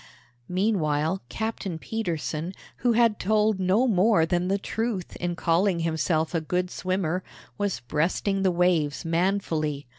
Meanwhile Captain Petersen, who had told no more than the truth in calling himself a good swimmer, was breasting the waves manfully.